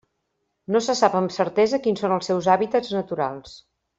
No se sap amb certesa quins són els seus hàbitats naturals.